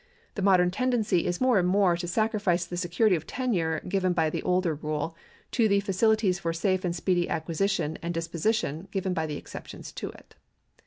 The modern tendeney is more and more to sacrifice the security of tenure given by the older rule, to the facilities for safe and speedy acquisition and disposition given by the exceptions to it.